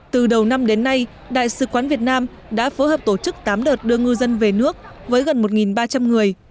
từ đầu năm đến nay đại sứ quán việt nam đã phối hợp tổ chức tám đợt đưa ngư dân về nước với gần một ba trăm linh người